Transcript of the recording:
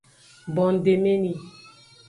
Bondemeni.